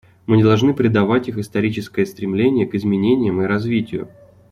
Мы не должны предавать их историческое стремление к изменениям и развитию.